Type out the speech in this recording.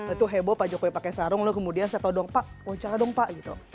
itu heboh pak jokowi pakai sarung lalu kemudian saya tahu dong pak wawancara dong pak gitu